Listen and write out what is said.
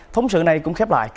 thống sự này cũng khép lại